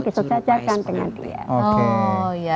disajarkan dengan dia